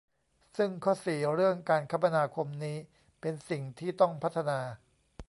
ซึ่งข้อ สี่ เรื่องการคมนาคมนี้เป็นสิ่งที่ต้องพัฒนา